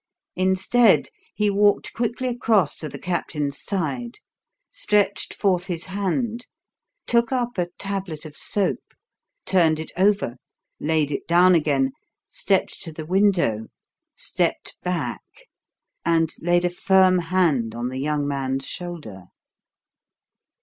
Instead, he walked quickly across to the Captain's side, stretched forth his hand, took up a tablet of soap, turned it over, laid it down again, stepped to the window, stepped back, and laid a firm hand on the young man's shoulder.